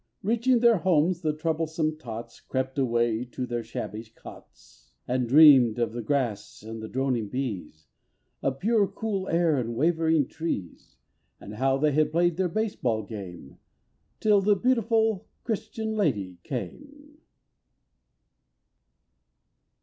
Reaching their homes, the troublesome tots Crept away to their shabby cots And dreamed of the grass and the droning bees, The pure, cool air and the waving trees, And how they had played their baseball game Till the Beautiful Christian Lady came.